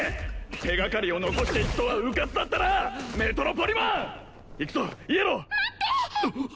手がかりを残していくとはうかつだったなメトロポリマン行くぞイエロー待って！